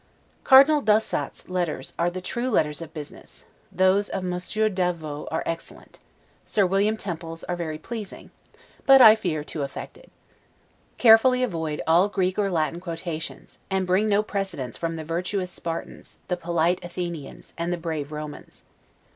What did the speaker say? Cardinal d'Ossat's letters are the true letters of business; those of Monsieur d'Avaux are excellent; Sir William Temple's are very pleasing, but, I fear, too affected. Carefully avoid all Greek or Latin quotations; and bring no precedents from the VIRTUOUS SPARTANS, THE POLITE ATHENIANS, AND THE BRAVE ROMANS.